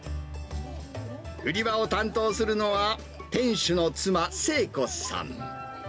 売り場を担当するのは店主の妻、聖子さん。